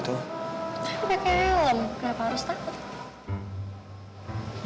tapi pake helm kenapa harus takut